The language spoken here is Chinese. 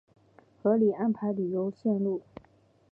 合理安排旅游线路